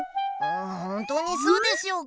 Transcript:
本当にそうでしょうか。